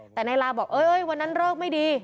แต่นายลาบอกเอ้ยวันนั้นเลิกไม่ดี